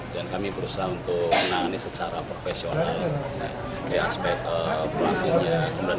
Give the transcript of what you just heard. dan kami berusaha untuk menangani secara profesional aspek pelakunya